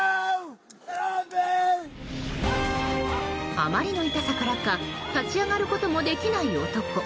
あまりの痛さからか立ち上がることもできない男。